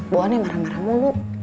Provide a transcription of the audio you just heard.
buahnya marah marah mulu